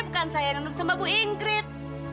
bukan saya yang nunduk sama bu ingrid